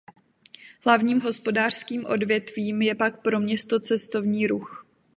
Hlavním hospodářským odvětvím je pak pro město cestovní ruch.